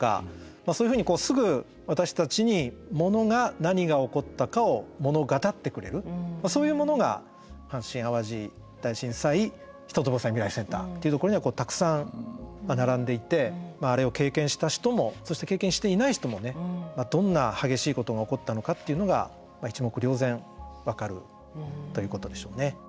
そういうふうにこうすぐ私たちにものが何が起こったかを物語ってくれるそういうものが阪神・淡路大震災人と防災未来センターっていうところにはたくさん並んでいてあれを経験した人もそして経験していない人もどんな激しいことが起こったのかっていうのが一目瞭然分かるということでしょうね。